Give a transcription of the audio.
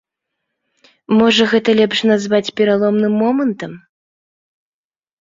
Можа, гэта лепш называць пераломным момантам?